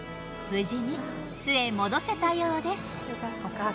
無事に巣へ戻せたようです。